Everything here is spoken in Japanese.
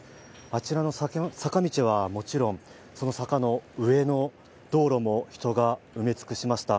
あちらの坂道はもちろん、その坂の上の道路も人が埋め尽くしました。